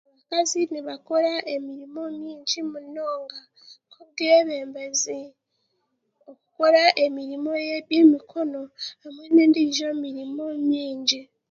Abakazi nibakora emirimo nyingi munonga, nk'obwebembezi, okukora emirimo y'eby'emikono nan'endiijo mirimo nyingi.